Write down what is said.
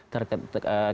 ketika terjadi krisis